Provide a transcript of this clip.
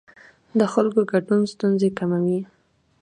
د خلکو ګډون ستونزې کموي